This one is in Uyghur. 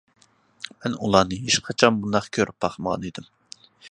مەن ئۇلارنى ھېچقاچان بۇنداق كۆرۈپ باقمىغان ئىدىم.